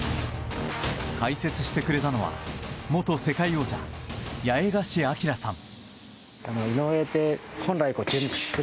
解説してくれたのは元世界王者・八重樫東さん。